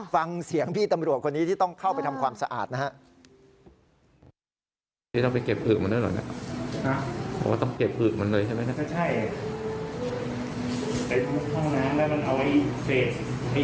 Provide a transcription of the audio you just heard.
ฟังเสียงพี่ตำรวจคนนี้ที่ต้องเข้าไปทำความสะอาดนะฮะ